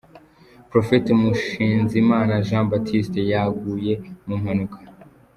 Prophet Mushinzimana Jean Baptist yaguye mu mpanuka